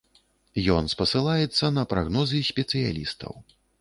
Ён спасылаецца на прагнозы спецыялістаў.